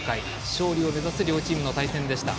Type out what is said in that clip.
勝利を目指す両チームの対戦でした。